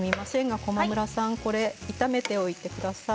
駒村さん、炒めておいてください。